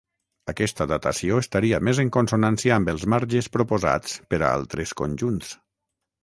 Aquesta datació estaria més en consonància amb els marges proposats per a altres conjunts.